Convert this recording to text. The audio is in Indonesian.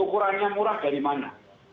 ukurannya murah dari mana